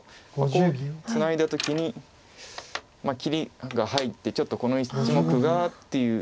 こうツナいだ時に切りが入ってちょっとこの１目がっていう。